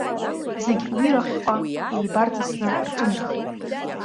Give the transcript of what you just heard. Зегь уирахьҟа еибарҵысны рҿынархеит.